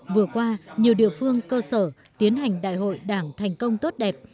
vừa qua nhiều địa phương cơ sở tiến hành đại hội đảng thành công tốt đẹp